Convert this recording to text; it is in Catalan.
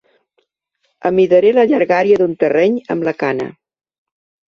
Amidaré la llargària d'un terreny amb la cana.